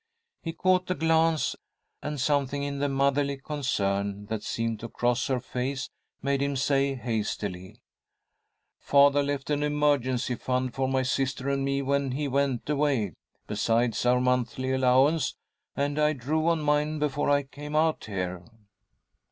He caught the glance, and something in the motherly concern that seemed to cross her face made him say, hastily, "Father left an emergency fund for my sister and me when he went away, besides our monthly allowance, and I drew on mine before I came out here."